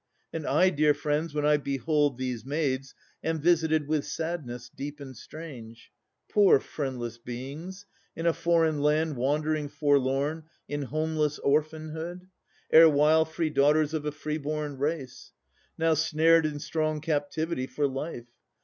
And I, dear friends, when I behold these maids, Am visited with sadness deep and strange. Poor friendless beings, in a foreign land Wandering forlorn in homeless orphanhood! Erewhile, free daughters of a freeborn race, Now, snared in strong captivity for life.